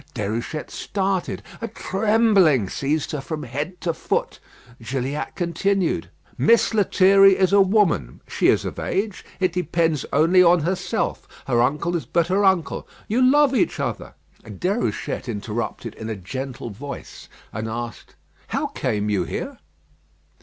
Déruchette started. A trembling seized her from head to foot. Gilliatt continued: "Miss Lethierry is a woman. She is of age. It depends only on herself. Her uncle is but her uncle. You love each other " Déruchette interrupted in a gentle voice, and asked, "How came you here?"